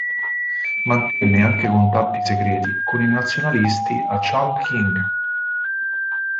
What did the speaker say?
Mantenne anche contatti segreti con i nazionalisti a Chongqing.